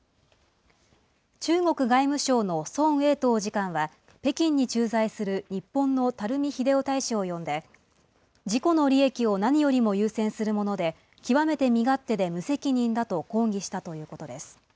中国外務省の孫衛東次官は、北京に駐在する日本の垂秀夫大使を呼んで、自己の利益を何よりも優先するもので、極めて身勝手で無責任だと抗議したということです。